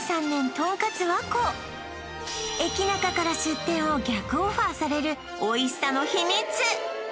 とんかつ和幸駅ナカから出店を逆オファーされるおいしさの秘密